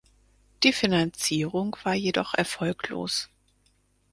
Die Finanzierung war jedoch erfolglos.